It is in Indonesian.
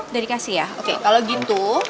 dedikasi ya oke kalau gitu